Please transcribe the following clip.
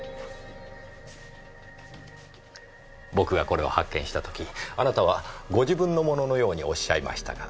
僕がこれを発見した時あなたはご自分のもののようにおっしゃいましたが。